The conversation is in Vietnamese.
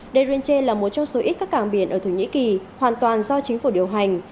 derinche là một trong số ít các cảng biển ở thổ nhĩ kỳ hoàn toàn do chính phủ điều hành